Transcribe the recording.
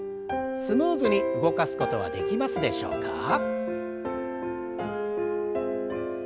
スムーズに動かすことはできますでしょうか？